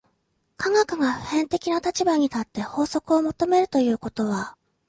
科学が普遍的な立場に立って法則を求めるということは、